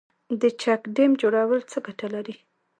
د چک ډیم جوړول څه ګټه لري؟